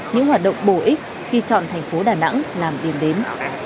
những hoạt động bổ ích khi chọn thành phố đà nẵng làm điểm đến